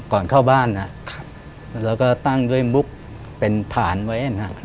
ก่อนเข้าบ้านเราก็ตั้งด้วยมุกเป็นฐานไว้